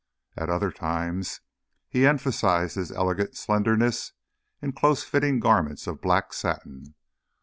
At other times he emphasised his elegant slenderness in close fitting garments of black satin.